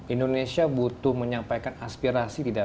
indonesia butuh menyampaikan aspirasi tidak